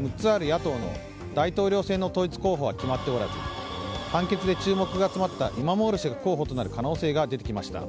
６つある野党の大統領選の統一候補は決まっておらず判決で注目が集まったイマモール氏が候補となる可能性が出てきました。